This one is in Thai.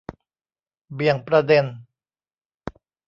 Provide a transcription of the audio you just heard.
เบี่ยงประเด็น